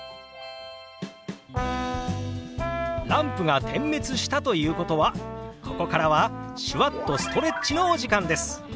ランプが点滅したということはここからは手話っとストレッチのお時間です！